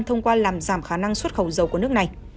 thông qua làm giảm khả năng xuất khẩu dầu của nước này